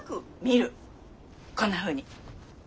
こんなふうに。